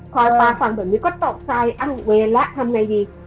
พอป๊าฟังแบบนี้ก็ตกใจอ้าวเวละทำไงดี